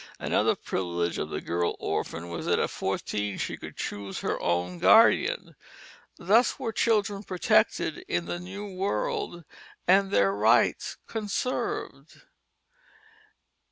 Another privilege of the girl orphan was that at fourteen she could choose her own guardian. Thus were children protected in the new world, and their rights conserved.